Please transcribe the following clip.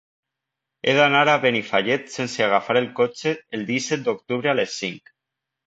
He d'anar a Benifallet sense agafar el cotxe el disset d'octubre a les cinc.